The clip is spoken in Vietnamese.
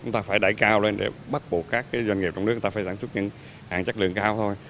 chúng ta phải đẩy cao lên để bắt buộc các doanh nghiệp trong nước sản xuất những hàng chất lượng cao thôi